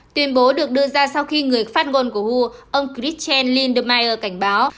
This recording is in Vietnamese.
tuyên bố được đưa ra sau khi người phát ngôn của who ông christian lindemeyer cảnh báo